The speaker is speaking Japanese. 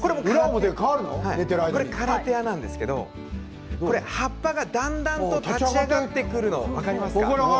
カラテアなんですけど葉っぱがだんだん立ち上がってくるのが分かりますか。